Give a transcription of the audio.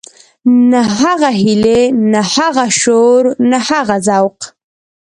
نه هغه هيلې نه هغه شور نه هغه ذوق.